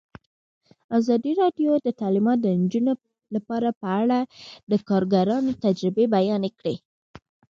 ازادي راډیو د تعلیمات د نجونو لپاره په اړه د کارګرانو تجربې بیان کړي.